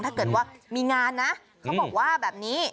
ถ้าเกิดว่ามีงานนะเขาบอกว่าแบบนี้